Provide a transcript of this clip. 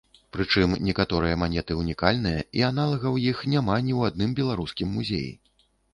Прычым некаторыя манеты ўнікальныя і аналагаў іх няма ні ў адным беларускім музеі.